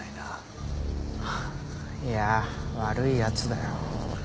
いや悪い奴だよ。